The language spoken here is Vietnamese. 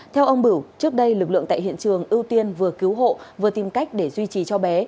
theo ông bửu trước đây lực lượng tại hiện trường ưu tiên vừa cứu hộ vừa tìm cách để duy trì cho bé